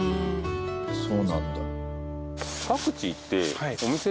そうなんだ。